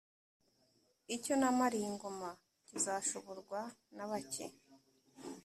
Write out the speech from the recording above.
Icyo namaliye ingoma kizashoborwa na bake!